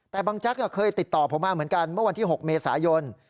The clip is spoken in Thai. แต่บางแจ๊กเคยติดต่อผมมาเหมือนกันเมื่อวันที่๖เมษายน